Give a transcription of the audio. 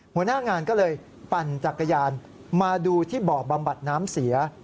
หัวหน้างานก็เลยปั่นจักรยานมาดูที่บ่อบำบัดน้ำเสีย